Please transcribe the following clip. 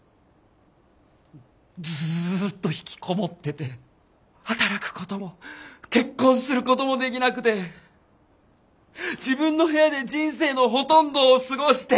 ずっとひきこもってて働くことも結婚することもできなくて自分の部屋で人生のほとんどを過ごして死ぬ！